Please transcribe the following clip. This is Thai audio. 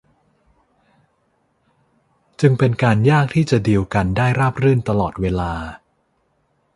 จึงเป็นการยากที่จะดีลกันได้ราบรื่นตลอดเวลา